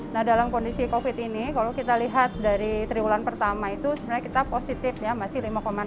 nah dalam kondisi covid ini kalau kita lihat dari triwulan pertama itu sebenarnya kita positif ya masih lima enam